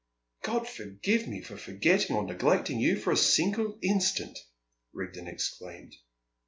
"God forgive me for forgetting or neglecting you for a single instant!" Rigden exclaimed.